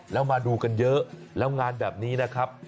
แล้วมาดูกันเยอะแล้วงานแบบนี้นะครับ